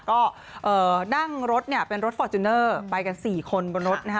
ก็นั่งรถเนี่ยเป็นรถฟอร์จูเนอร์ไปกัน๔คนบนรถนะฮะ